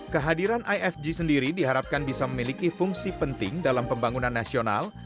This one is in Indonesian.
kehadiran ifg sendiri diharapkan bisa memiliki fungsi penting dalam pembangunan nasional